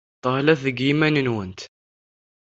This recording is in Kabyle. Thellamt deg yiman-nwent.